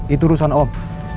itu urusan om